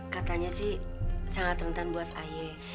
katanya sih sangat rentan buat aye